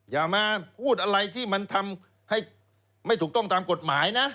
อย่ามาพูดอะไรที่มันทำให้ไม่ถูกต้องตามกฎหมายนะ